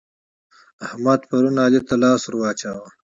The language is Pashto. احمد پرون علي ته لاس ور واچاوو.